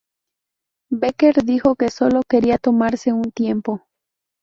Becker dijo que sólo quería tomarse un tiempo.